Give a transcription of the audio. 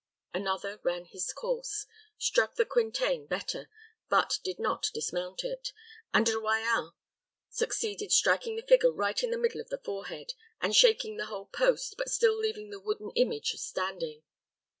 Another ran his course, struck the Quintain better, but did not dismount it; and De Royans succeeded striking the figure right in the middle of the forehead, and shaking the whole post, but still leaving the wooden image standing.